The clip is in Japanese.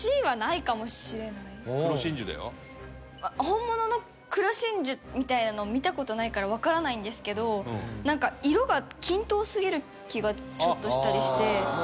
本物の黒真珠みたいなのを見た事ないからわからないんですけどなんか色が均等すぎる気がちょっとしたりして。